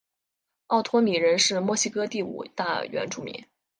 奥托米人是墨西哥第五大原住民。